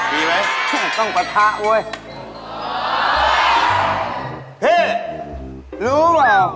มีไหม